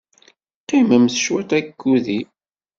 Qqimemt cwit akked-i.